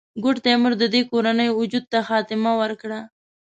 ګوډ تیمور د دې کورنۍ وجود ته خاتمه ورکړه.